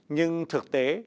nhưng thực tế